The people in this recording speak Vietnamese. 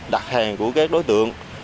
đặt hàng của các đối tượng